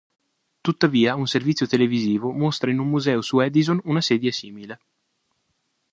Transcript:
Tuttavia un servizio televisivo mostra in un museo su Edison una sedia simile.